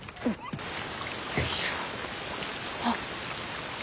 あっ。